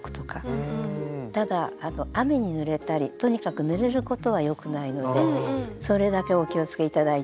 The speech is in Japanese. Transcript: ただ雨にぬれたりとにかくぬれることはよくないのでそれだけお気をつけ頂いて。